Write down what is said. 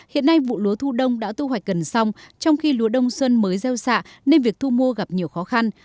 hiện nay vụ lúa thu đông đã thu hoạch gần xong trong khi lúa đông xuân mới gieo xạ nên việc thu mua gặp nhiều khó khăn